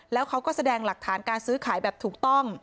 แล้วเขาก็แสดงหลักฐานการซื้อขายแบบถูกต้อง